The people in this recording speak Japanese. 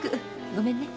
ごめんね。